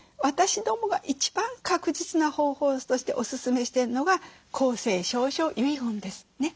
私どもが一番確実な方法としておすすめしてるのが公正証書遺言です。